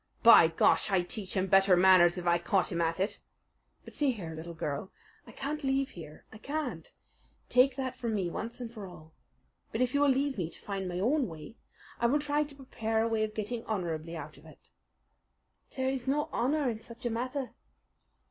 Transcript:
"By Gar! I'd teach him better manners if I caught him at it! But see here, little girl. I can't leave here. I can't take that from me once and for all. But if you will leave me to find my own way, I will try to prepare a way of getting honourably out of it." "There is no honour in such a matter."